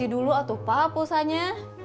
isi dulu atuh pak perusahaannya